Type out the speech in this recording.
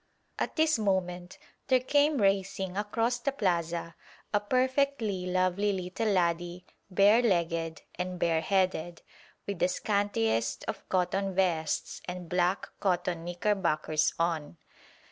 At this moment there came racing across the plaza a perfectly lovely little laddie, bare legged and bare headed, with the scantiest of cotton vests and black cotton knickerbockers on.